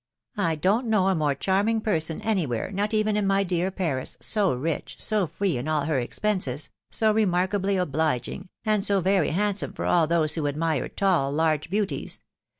... I don't know a more charming person any where, not even in my dear Paris, .... so rich, so free in all her expenses, so remarkably obliging, and so very handsome for all those who admire tall, large beauties.